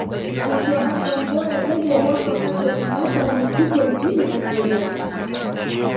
Alitoa Albam bora zaidi ya Mwaka wakati wa tamasha la Muziki wa Injili Tanzania